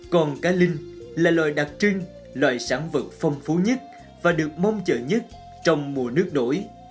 còn cá linh là loài đặc trưng loài sản vật phong phú nhất và được mong chờ nhất trong mùa nước nổi